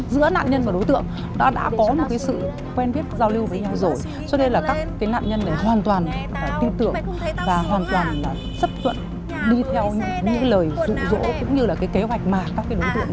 đi theo những lời dụ dỗ cũng như là cái kế hoạch mà các cái đối tượng người đã bán sắp tặng